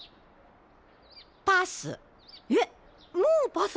パス。